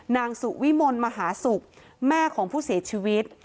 นางสุวิมลมหาศุกร์แม่ของผู้เสียชีวิต